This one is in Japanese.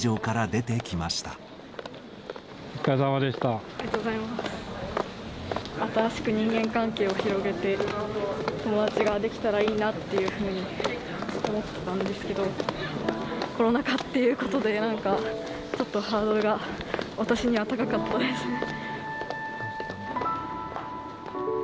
新しく人間関係を広げて、友達ができたらいいなっていうふうに思ってたんですけど、コロナ禍っていうことで、なんかちょっとハードルが私には高かったですね。